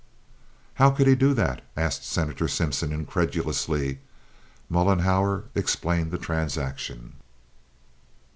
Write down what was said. "How could he do that?" asked Senator Simpson, incredulously. Mollenhauer explained the transaction.